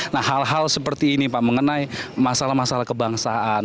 nah hal hal seperti ini pak mengenai masalah masalah kebangsaan